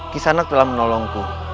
kisanak telah menolongku